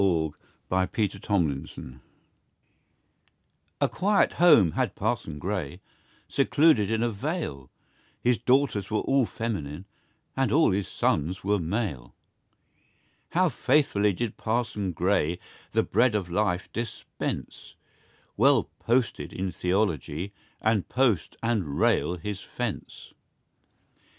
Oliver Goldsmith Parson Gray A QUIET home had Parson Gray, Secluded in a vale; His daughters all were feminine, And all his sons were male. How faithfully did Parson Gray The bread of life dispense Well "posted" in theology, And post and rail his fence.